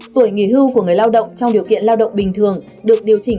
tuổi nghỉ hưu của người lao động trong điều kiện lao động bình thường được điều chỉnh